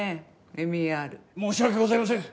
ＭＥＲ申し訳ございません